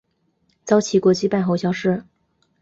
遭齐国击败后消失。